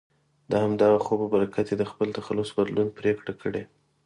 د همدغه خوب په برکت یې د خپل تخلص بدلون پرېکړه کړې.